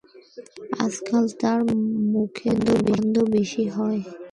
আজকাল তার মুখে দুর্গন্ধ বেশি হয়।